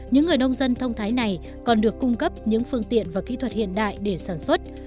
những người nông dân thông thái này còn được cung cấp những phương tiện và kỹ thuật hiện đại để sản xuất